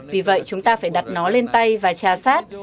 vì vậy chúng ta phải đặt nó lên tay và trà sát